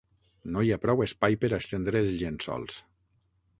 No hi ha prou espai per a estendre els llençols.